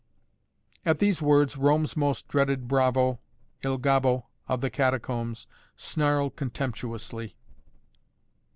At these words Rome's most dreaded bravo, Il Gobbo of the Catacombs, snarled contemptuously.